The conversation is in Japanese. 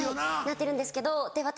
なってるんですけどで私